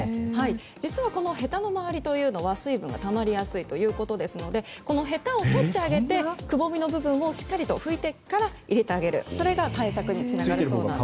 実は、ヘタの周りは水分がたまりやすいということでこのヘタを取ってあげてくぼみの部分をしっかりと拭いてから入れてあげるそれが対策につながるそうです。